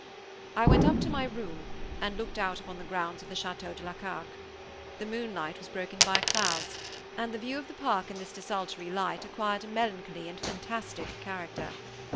I went up to my room, and looked out upon the grounds of the Château de la Carque. The moonlight was broken by clouds, and the view of the park in this desultory light acquired a melancholy and fantastic character.